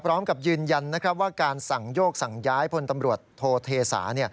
พร้อมกับยืนยันว่าการสั่งโยกสั่งย้ายพลตำรวจโทเทศา